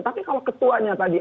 tapi kalau ketuanya tadi